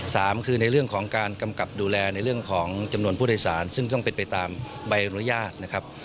สามคือในเรื่องของการกำกับดูแลในเรื่องของจำนวนผู้โดยสารซึ่งต้องเป็นไปตามใบอนุญาตนะครับ